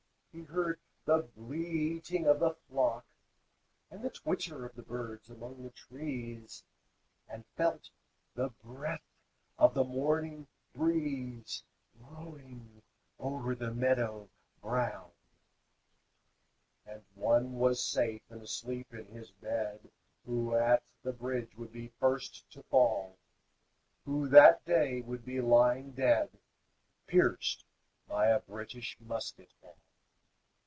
He heard the bleating of the flock, And the twitter of birds among the trees, And felt the breath of the morning breeze Blowing over the meadows brown. And one was safe and asleep in his bed Who at the bridge would be first to fall, Who that day would be lying dead, Pierced by a British musket ball.